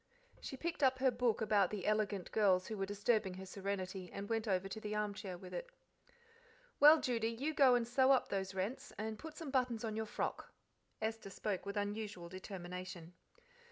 She picked up her book about the elegant girls who were disturbing her serenity and went over to the armchair with it. "Well, Judy, you go and sew up those rents, and put some buttons on your frock." Esther spoke with unusual determination.